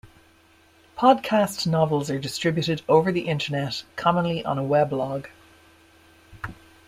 Podcast novels are distributed over the Internet, commonly on a weblog.